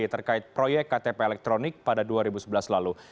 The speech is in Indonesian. terkait proyek ktp elektronik pada dua ribu sebelas lalu